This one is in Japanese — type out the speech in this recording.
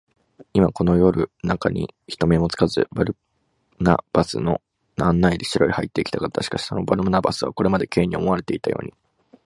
今、この夜なかに、人目にもつかず、バルナバスの案内で城へ入っていきたかった。しかし、そのバルナバスは、これまで Ｋ に思われていたように、